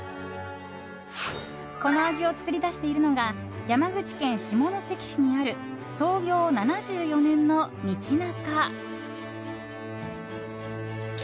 この味を作り出しているのが山口県下関市にある創業７４年の道中。